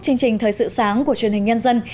chương trình thời sự sáng của truyền hình nhân dân